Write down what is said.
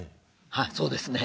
はいそうですね。